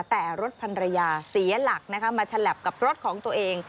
แต่รถพันรยาเสียหลักนะคะมาฉลับกับรถของตัวเอง